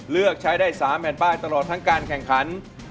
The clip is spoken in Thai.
เลือกใช้ได้๓แผ่นป้ายตลอดทั้งการแข่งขัน